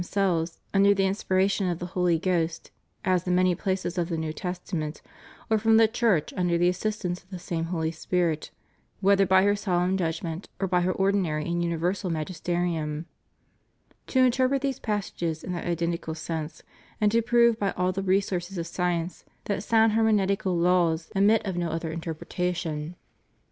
287 themselves, under the inspiration of the Holy Ghost (as in many places of the New Testament), or from the Church, under the assistance of the same Holy Spirit, whether hy her solemn judgment or by her ordinary and universal magisterium ^— to interpret these passages in that identical sense, and to prove by all the resources of science that sound hermeneutical laws admit of no other interpretation.